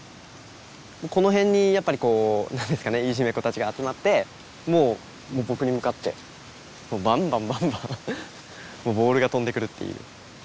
この辺にやっぱりこう何ですかねいじめっ子たちが集まってもう僕に向かってバンバンバンバンもうボールが飛んでくるっていう。